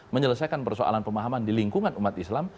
menyelesaikan persoalan pemahaman di lingkungan umat islam